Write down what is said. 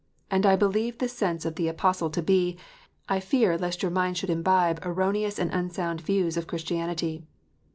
And I believe the sense of the Apostle to be, "I fear lest your minds should imbibe erroneous and unsound views of Chris tianity.